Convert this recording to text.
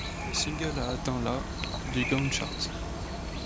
Le single a atteint la du Gaon Chart.